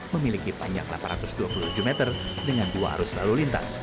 memiliki panjang delapan ratus dua puluh tujuh meter dengan dua arus lalu lintas